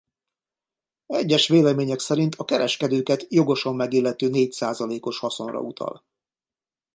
Egyes vélemények szerint a kereskedőket jogosan megillető négy százalékos haszonra utal.